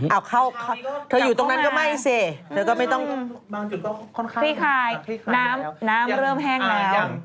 อ้าวเข้าเข้าอยู่ตรงนั้นก็ไม่สิเดี๋ยวก็ไม่ต้องพี่ค่ายน้ำเริ่มแห้งแล้ว